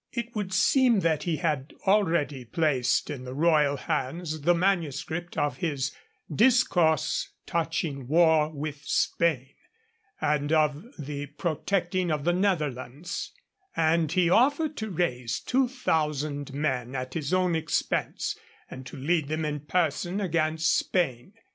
It would seem that he had already placed in the royal hands the manuscript of his Discourse touching War with Spain, and of the Protecting of the Netherlands, and he offered to raise two thousand men at his own expense, and to lead them in person against Spain.